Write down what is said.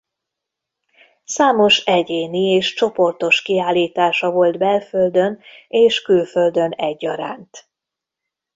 Számos egyéni és csoportos kiállítása volt belföldön és külföldön egyaránt.